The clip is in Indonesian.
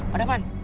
hah ada apaan